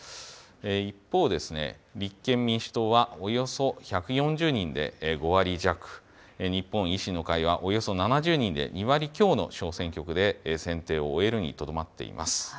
一方、立憲民主党はおよそ１４０人で５割弱、日本維新の会はおよそ７０人で２割強の小選挙区で選定を終えるにとどまっています。